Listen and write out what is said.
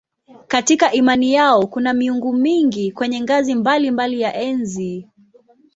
Katika imani yao kuna miungu mingi kwenye ngazi mbalimbali ya enzi.